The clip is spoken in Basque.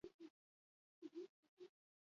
Txikitatik izan zuen musikarekin harremana.